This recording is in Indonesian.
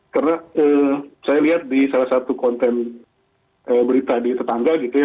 karena saya lihat di salah satu konten berita di tetangga gitu ya